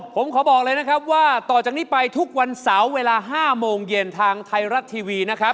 ผมขอบอกเลยนะครับว่าต่อจากนี้ไปทุกวันเสาร์เวลา๕โมงเย็นทางไทยรัฐทีวีนะครับ